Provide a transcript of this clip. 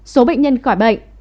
số bệnh nhân khỏi bệnh